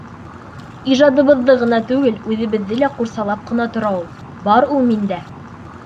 Ижадыбыҙҙы ғына түгел, үҙебеҙҙе лә ҡурсалап ҡына тора ул. Бар ул миндә.